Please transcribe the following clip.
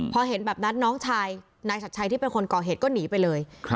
พอเห็นแบบนั้นน้องชายนายชัดชัยที่เป็นคนก่อเหตุก็หนีไปเลย